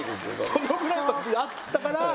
そのぐらいあったから。